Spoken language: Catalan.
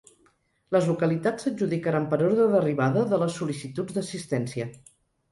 Les localitats s’adjudicaran per ordre d’arribada de les sol·licituds d’assistència.